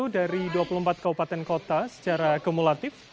dari dua puluh empat kaupaten kota secara gemulatif